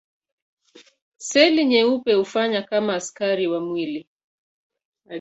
Seli nyeupe hufanya kama askari wa mwili.